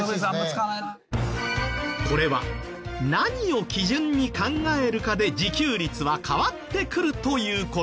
これは何を基準に考えるかで自給率は変わってくるという事。